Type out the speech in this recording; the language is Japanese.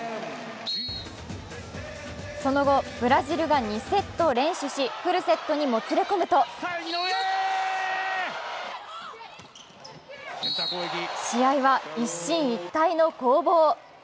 その後、ブラジルが２セットを連取し、フルセットにもつれ込むと試合は一進一退の攻防。